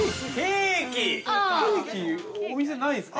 ◆ケーキ、お店ないですか。